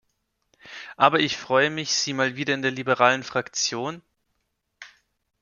Aber ich freue mich, Sie mal wieder in der Liberalen Fraktion...